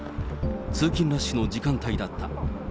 通勤ラッシュの時間帯だった。